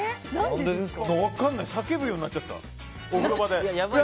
分からないけど叫ぶようになっちゃった。